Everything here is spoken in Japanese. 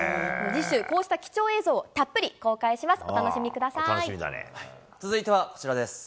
次週、こうした貴重映像をたっぷり公開します。